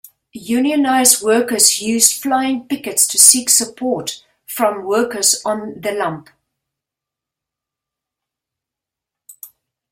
Unionised workers used flying pickets to seek support from workers on the lump.